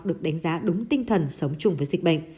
được đánh giá đúng tinh thần sống chung với dịch bệnh